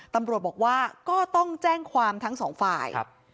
ตำรวจบอกว่าก็ต้องแจ้งความทั้งสองฝ่าย